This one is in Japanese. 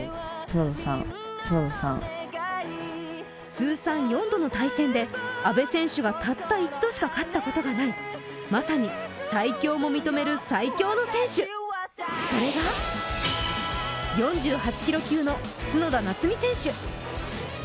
通算４度の対戦で阿部選手がたった一度しか勝ったことがないというまさに最強も認める最強の選手、それが４８キロ級の角田夏実選手。